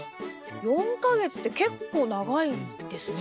４か月って結構長いんですね。